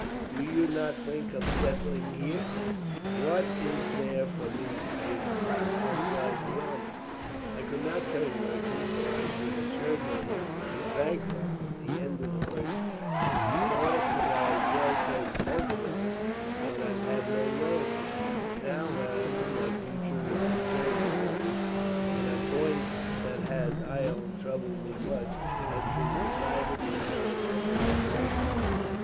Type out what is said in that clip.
"Do you not think of settling here?" "What is there for me to do, count, outside the army? I could not turn merchant, for I should assuredly be bankrupt, at the end of the first month; nor could I well turn cultivator, when I have no land to dig. Now, however, my future is determined for me; and a point that has, I own, troubled me much, has been decided without an effort on my part."